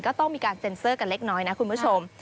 ก็ต้องมีการเซ็นเซอร์กันเล็กน้อยนะคุณผู้ชม